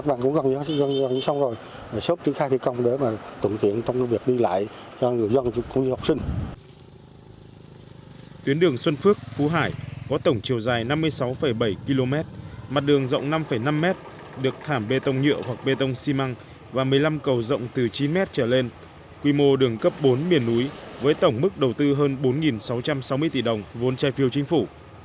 cây cầu xuối tía qua địa bàn thôn phú xuân phước phú hải có tổng chiều dài năm mươi sáu bảy km mặt đường rộng năm năm m được thảm bê tông nhựa hoặc bê tông xi măng và một mươi năm cầu rộng từ chín m trở lên quy mô đường cấp bốn miền núi với tổng mức đầu tư hơn bốn sáu trăm sáu mươi tỷ đồng vốn trai phiêu chính phủ